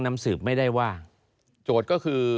นำสืบไม่ได้ว่าโจทย์ก็คือ